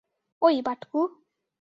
ঐ, বাটকু।